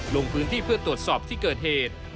ลงพื้นที่เพื่อตรวจสอบที่เกิดเหตุ